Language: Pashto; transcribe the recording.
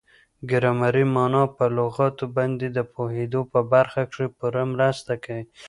ګرامري مانا په لغاتو باندي د پوهېدو په برخه کښي پوره مرسته کوي.